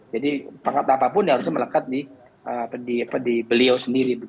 jadi pangkat apapun harusnya melekat di beliau sendiri